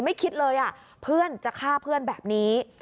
คิดเลยเพื่อนจะฆ่าเพื่อนแบบนี้